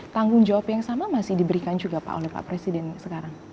tanggung jawab yang sama masih diberikan juga pak oleh pak presiden sekarang